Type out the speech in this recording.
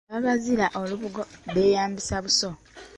Ababaziira olubugo beyambisa buso.